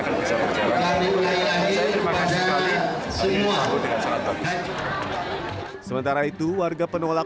kan bisa berjalan terima kasih sekali ini terlalu dengan sangat bagus sementara itu warga penolak